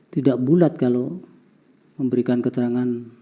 tidak bulat kalau memberikan keterangan